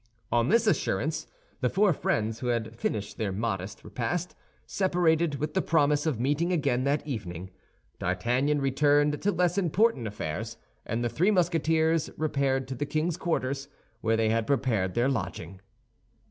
And on this assurance, the four friends, who had finished their modest repast, separated, with the promise of meeting again that evening. D'Artagnan returned to less important affairs, and the three Musketeers repaired to the king's quarters, where they had to prepare their lodging.